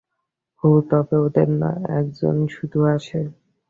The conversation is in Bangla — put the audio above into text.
হুঁ, তবে ওদের না, এক জন শুধু আসে।